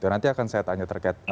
nanti akan saya tanya terkait